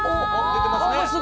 出てますね。